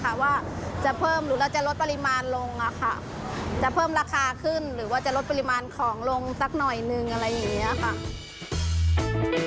หรือว่าจะลดปริมาณของลงสักหน่อยหนึ่งอะไรอย่างนี้ค่ะ